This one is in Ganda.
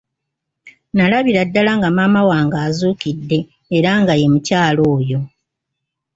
Nalabira ddala nga maama wange azuukidde era nga ye mukyala oyo.